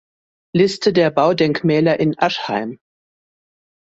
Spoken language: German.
Liste der Baudenkmäler in Aschheim